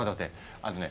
あのね